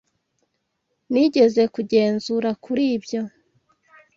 Nigeze kugenzura kuri ibyo.